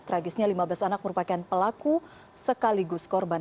tragisnya lima belas anak merupakan pelaku sekaligus korban